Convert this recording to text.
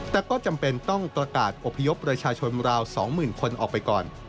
แต่ก็จำเป็นต้องประกาศอบพยพประชาชนราว๒๐๐๐คนออกไปก่อน